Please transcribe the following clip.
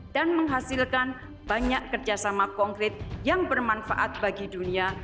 dan menghasilkan banyak kerjasama konkret yang bermanfaat bagi dunia